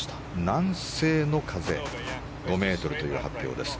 南西の風５メートルという発表です。